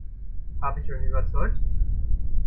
Habe ich euch überzeugt?